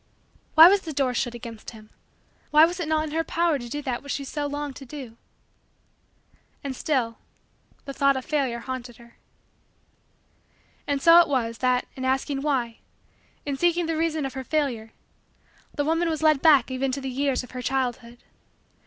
Why was the door shut against him? Why was it not in her power to do that which she so longed to do?" And still, the thought of Failure haunted her. And so it was, that, in asking, "why" in seeking the reason of her failure, the woman was led back even to the years of her childhood.